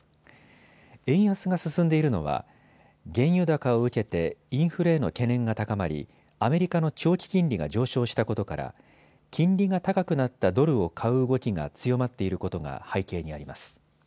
円安が進んでいるのは原油高を受けてインフレへの懸念が高まり、アメリカの長期金利が上昇したことから金利が高くなったドルを買う動きが強まっていることが背景にあります。